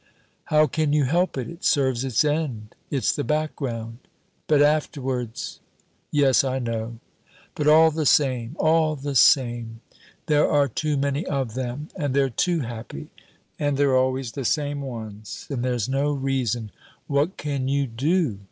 "How can you help it? It serves its end it's the background but afterwards " "Yes, I know; but all the same, all the same, there are too many of them, and they're too happy, and they're always the same ones, and there's no reason " "What can you do?"